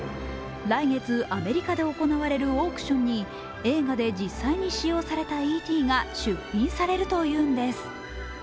来月アメリカで行われるオークションに映画で実際に使用された「Ｅ．Ｔ．」が出品されるというんです。